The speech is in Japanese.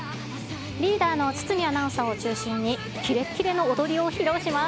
リーダーの堤アナウンサーを中心に、きれっきれの踊りを披露します。